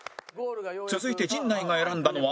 続いて陣内が選んだのは